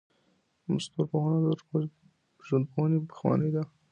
ستورپوهنه تر ژوندپوهنې پخوانۍ ده.